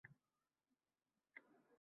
bidirladi sayrdan qaytgan qizim